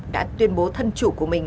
đã tuyên bố thân chủ của mình